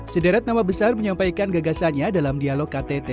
sederet nama besar menyampaikan gagasannya dalam dialog ktt